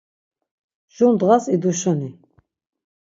Jur ndğas iduşuni.